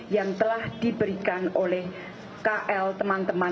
yang telah diberikan oleh kl teman teman